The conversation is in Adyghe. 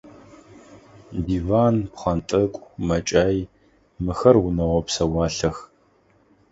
Диван, пхъэнтӏэкӏу, мэкӏай – мыхэр унэгъо псэуалъэх.